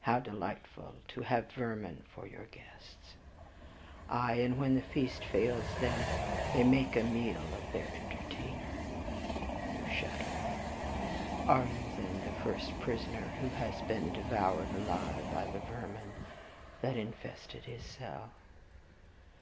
How delightful to have vermin for your guests! Aye, and when the feast fails them, they make a meal of their entertainer! You shudder. Are you, then, the first prisoner who has been devoured alive by the vermin that infested his cell?